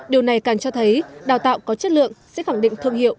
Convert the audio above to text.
điều này càng cho thấy đào tạo có chất lượng sẽ khẳng định thương hiệu